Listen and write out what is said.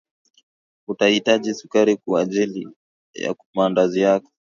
utahitaji sukari kwaajili ya maandazi yako